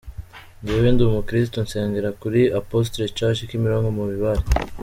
Njyewe ndi umukristo nsengera kuri Apostles church Kimironko mu Bibare.